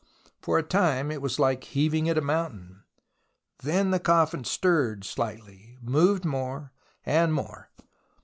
For a time it was like heaving at a mountain, then the coffin stirred slightly, moved more and more.